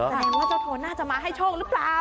แสดงว่าเจ้าโทนน่าจะมาให้โชคหรือเปล่า